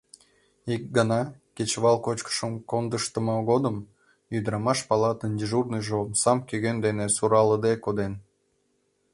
— Ик гана, кечывал кочкышым кондыштмо годым, ӱдырамаш палатын дежурныйжо омсам кӧгӧн дене суралыде коден.